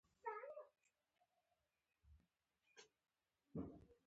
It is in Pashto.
په اروپا لويه وچه کې انګلستان او فرانسه د اتومي وسلو لرونکي هېوادونه دي.